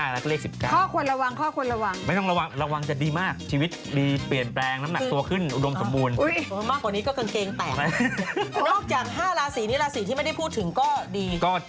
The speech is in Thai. นอกจาก๕ราศีนี้ราศีที่ไม่ได้พูดถึงก็ดี